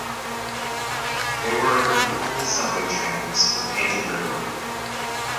They were the only subway trains with painted livery.